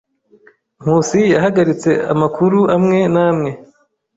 Nkusi yahagaritse amakuru amwe n'amwe.